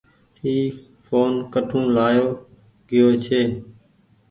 اي ڦون ڪٺو لآيو گيو ڇي۔